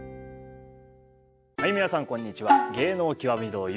はい皆さんこんにちは。